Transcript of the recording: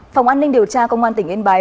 phòng an ninh điều tra công an tỉnh yên bái